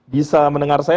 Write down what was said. bisa mendengar saya